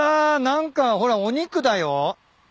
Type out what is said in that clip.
何かほらお肉だよ。